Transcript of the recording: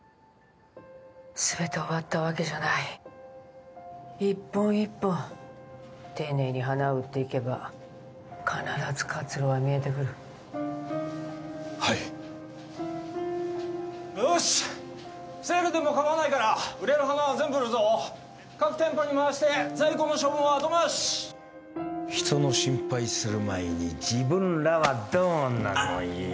すべて終わったわけじゃない一本一本丁寧に花を売っていけば必ず活路は見えてくるはいよしセールでも構わないから売れる花は全部売るぞ各店舗に回して在庫の処分は後回し人の心配する前に自分らはどうなのよ